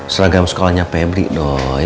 seragam sekolahnya pebrik doi